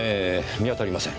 見当たりません。